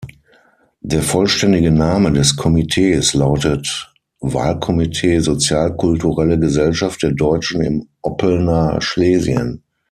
Der vollständige Name des Komitees lautet "Wahlkomitee Sozial-Kulturelle Gesellschaft der Deutschen im Oppelner Schlesien".